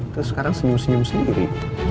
terus sekarang senyum senyum sendiri